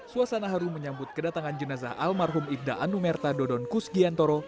suasana haru menyambut kedatangan jenazah almarhum ibda nomerta dodon kus giantoro